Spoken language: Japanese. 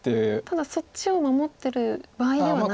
ただそっちを守ってる場合ではない。